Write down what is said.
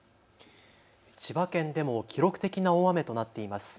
千葉県でも記録的な大雨となっています。